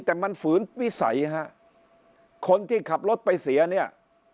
แต่มันฝืนวิสัยฮะคนที่ขับรถไปเสียเนี่ย